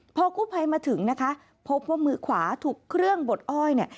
พอกู้ภัยมาถึงนะคะพบว่ามือขวาถูกเครื่องบดอ้อยเนี่ย